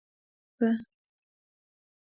په